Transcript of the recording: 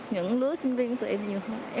những lứa sinh viên của tụi em nhiều hơn